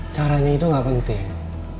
caranya itu gak penting